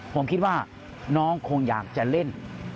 ผมคิดว่าน้องคงอยากจะเล่น